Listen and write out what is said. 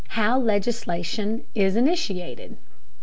HOW LEGISLATION IS INITIATED.